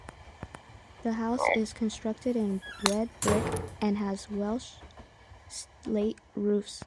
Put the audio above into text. The house is constructed in red brick and has Welsh slate roofs.